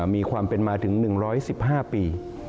มีความเป็นมาถึง๑๑๕ปี